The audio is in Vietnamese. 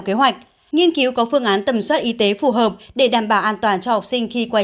kế hoạch nghiên cứu có phương án tầm soát y tế phù hợp để đảm bảo an toàn cho học sinh khi qua